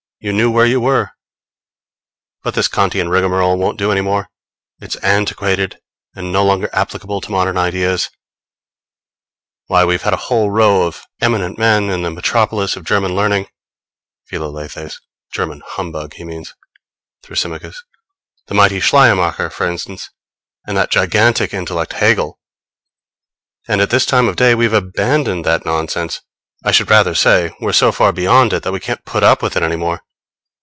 You knew where you were. But this Kantian rigmarole won't do any more: it's antiquated and no longer applicable to modern ideas. Why, we've had a whole row of eminent men in the metropolis of German learning Philalethes. (Aside.) German humbug, he means. Thrasymachos. The mighty Schleiermacher, for instance, and that gigantic intellect, Hegel; and at this time of day we've abandoned that nonsense. I should rather say we're so far beyond it that we can't put up with it any more.